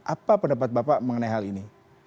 apa pendapat bapak mengenai hal ini